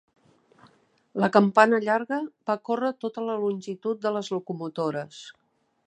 La campana llarga va córrer tota la longitud de les locomotores.